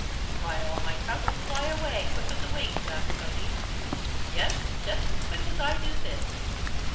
"Why all my troubles fly away, quick as a wink," laughed Tody. "Yes, just as quick as I do this."